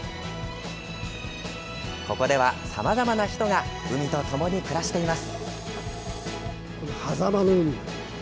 ここでは、さまざまな人が海とともに暮らしています。